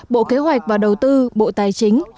bộ kế hoạch và đầu tư bộ tài chính